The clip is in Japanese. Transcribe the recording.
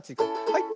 はい。